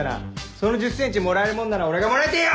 その１０ｃｍもらえるもんなら俺がもらいてぇよ！